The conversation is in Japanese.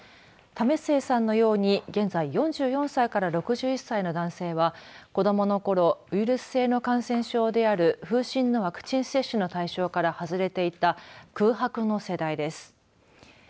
為末さんのように現在４４歳から６１歳の男性は子どもの頃ウイルス性の感染症である風疹のワクチン接種の対象から外れていた空白の世代です。